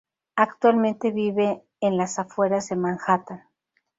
Actualmente vive en las afueras de Manhattan.